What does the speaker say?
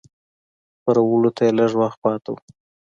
خپرولو ته یې لږ وخت پاته و.